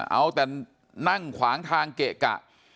เอาแต่นั่งขวางทางเกะกะ